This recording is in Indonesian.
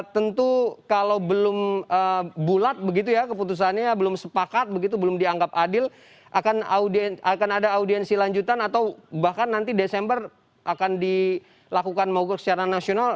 tentu kalau belum bulat begitu ya keputusannya belum sepakat begitu belum dianggap adil akan ada audiensi lanjutan atau bahkan nanti desember akan dilakukan mogok secara nasional